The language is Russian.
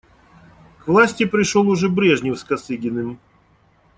К власти пришел уже Брежнев с Косыгиным.